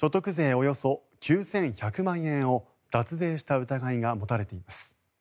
およそ９１００万円を脱税した疑いが持たれています。